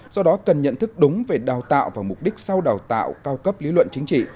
do đó cần nhận thức đúng về đào tạo và mục đích sau đào tạo cao cấp lý luận chính trị